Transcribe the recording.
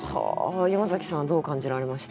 山崎さんどう感じられましたか？